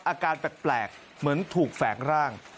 อาการแปลกเหมือนถูกแฝงร่าง